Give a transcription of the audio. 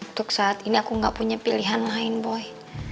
untuk saat ini aku nggak punya pilihan lain boy